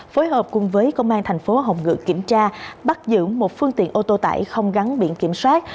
phối hợp cùng với công an thành phố hồng ngự kiểm tra bắt giữ một phương tiện ô tô tải không gắn biển kiểm soát